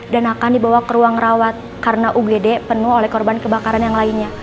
dan akan dibawa ke ruang rawat karena ugd penuh oleh korban kebakaran yang lainnya